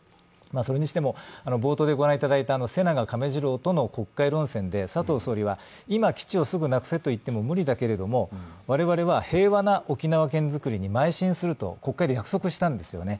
それにしても冒頭で御覧いただいた、瀬長亀次郎との国会論戦で佐藤総理は、今基地をすぐなくせと言っても無理だけれども、我々は平和な沖縄県づくりにまい進すると国会で約束したんですよね。